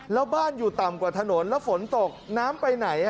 แล้วบ้านอยู่ต่ำกว่าถนนแล้วฝนตกน้ำไปไหน